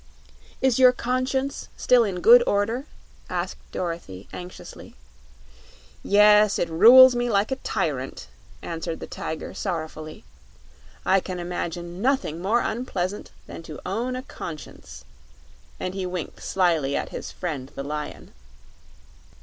"Is your Conscience still in good order?" asked Dorothy, anxiously. "Yes; it rules me like a tyrant," answered the Tiger, sorrowfully. "I can imagine nothing more unpleasant than to own a Conscience," and he winked slyly at his friend the Lion.